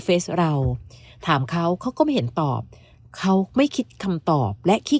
เฟสเราถามเขาเขาก็ไม่เห็นตอบเขาไม่คิดคำตอบและคิด